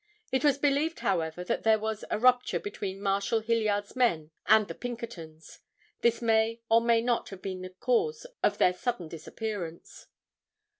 It was believed, however, that there was a rupture between Marshal Hilliard's men and the Pinkertons. This may or may not have been the cause of their sudden disappearance.